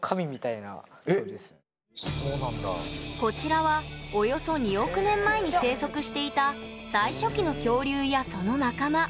こちらはおよそ２億年前に生息していた最初期の恐竜やその仲間。